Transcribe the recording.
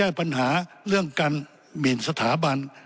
แก้ปัญหาเรื่องการหมินสถาบัน